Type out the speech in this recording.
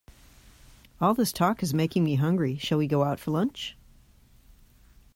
All this talk is making me hungry, shall we go out for lunch?